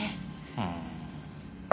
うん。